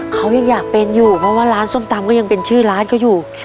เขายังอยากเป็นอยู่เพราะว่าร้านส้มตำก็ยังเป็นชื่อร้านเขาอยู่